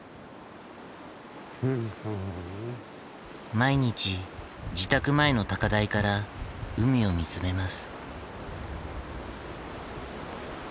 毎日自宅前の高台から海を見つめます。